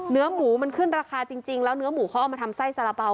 เนื้อหมูมันขึ้นราคาจริงแล้วเนื้อหมูเขาเอามาทำไส้สาระเป๋า